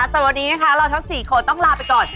สวัสดีนะคะเราทั้ง๔คนต้องลาไปก่อน